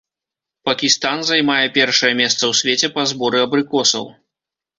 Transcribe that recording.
Пакістан займае першае месца ў свеце па зборы абрыкосаў.